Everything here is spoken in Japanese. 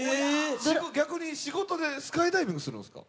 逆に仕事でスカイダイビングするんですか？